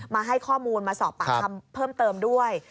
มาให้ข้อมูลมาสอบปากคำเพิ่มเติมด้วย